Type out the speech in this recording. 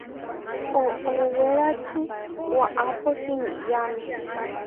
Oʼowérači waʼápo simiyáme.